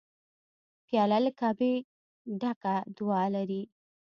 پیاله له کعبې ډکه دعا لري.